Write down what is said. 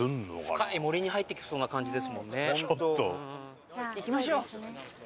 深い森に入っていきそうな感じですもんね。